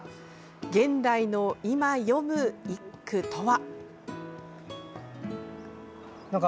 現代の今、詠む一句とは。